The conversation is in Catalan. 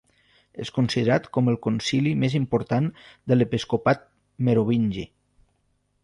És considerat com el concili més important de l'episcopat merovingi.